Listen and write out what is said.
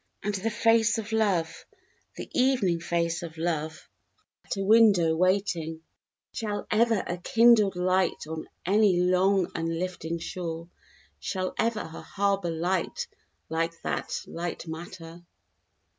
And the face of love, the evening face of love, at a window waiting, Shall ever a kindled Light on any long unlifting shore, Shall ever a Harbor Light like that light matter?